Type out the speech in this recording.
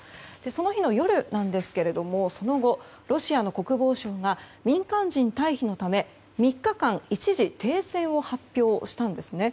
その日の夜なんですけどもその後、ロシア国防省が民間人退避のため３日間、一時停戦を発表したんですね。